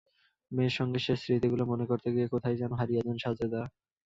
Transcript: মেয়ের সঙ্গে শেষ স্মৃতিগুলো মনে করতে গিয়ে কোথায় যেন হারিয়ে যান সাজেদা।